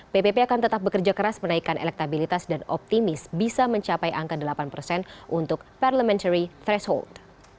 ppp akan tetap bekerja keras menaikkan elektabilitas dan optimis bisa mencapai angka delapan persen untuk parliamentary threshold